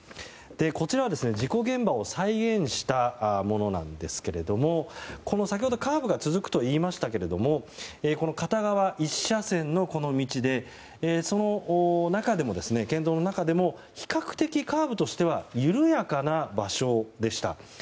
こちらは事故現場を再現したものなんですが先ほどカーブが続くと言いましたけれども片側１車線の、この道でその県道の中でも比較的、カーブとしては緩やかな場所でした。